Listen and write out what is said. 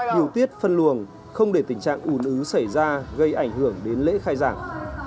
điều tiết phân luồng không để tình trạng ủn ứ xảy ra gây ảnh hưởng đến lễ khai giảng